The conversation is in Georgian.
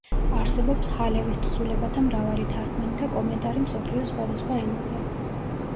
არსებობს ჰალევის თხზულებათა მრავალი თარგმანი და კომენტარი მსოფლიოს სხვადასხვა ენაზე.